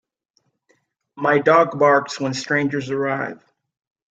My dog barks when strangers arrive.